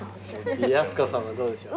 やす子さんはどうでしょう？